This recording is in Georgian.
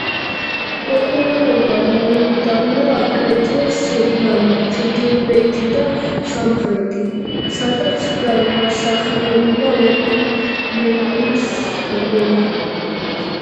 პოპულარობა მოუტანა აგრეთვე სერიალმა „ჩრდილოეთი და სამხრეთი“, სადაც განასახიერა ორი მეინის როლი.